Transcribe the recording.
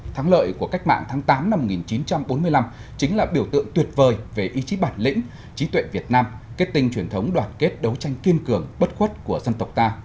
thắng lợi của cách mạng tháng tám năm một nghìn chín trăm bốn mươi năm chính là biểu tượng tuyệt vời về ý chí bản lĩnh trí tuệ việt nam kết tinh truyền thống đoàn kết đấu tranh kiên cường bất khuất của dân tộc ta